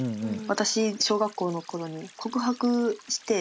私小学校のころに告白して。